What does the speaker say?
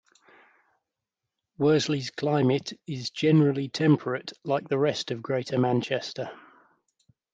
Worsley's climate is generally temperate, like the rest of Greater Manchester.